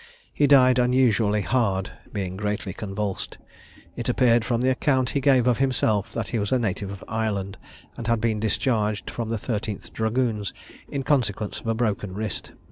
He died unusually hard, being greatly convulsed. It appeared from the account he gave of himself, that he was a native of Ireland, and had been discharged from the thirteenth dragoons in consequence of a broken wrist.